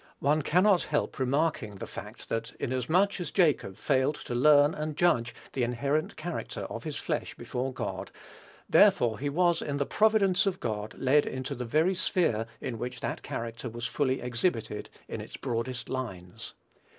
One cannot help remarking the fact that inasmuch as Jacob failed to learn and judge the inherent character of his flesh before God, therefore he was in the providence of God led into the very sphere in which that character was fully exhibited in its broadest lines.